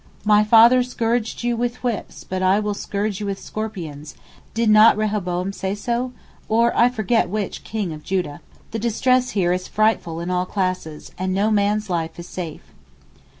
'My father scourged you with whips but I will scourge you with scorpions,' did not Rehoboam say so? or I forget which King of Judah. The distress here is frightful in all classes, and no man's life is safe.